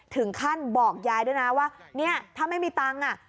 ถึงขั้นบอกยายด้วยนะว่าเนี่ยถ้าไม่มีตังค์อ่ะ